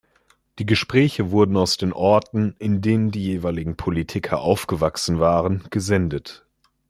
Die Gespräche wurden aus den Orten, in denen die jeweiligen Politiker aufgewachsen waren, gesendet.